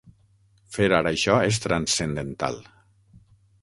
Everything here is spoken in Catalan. Fer ara això és transcendental.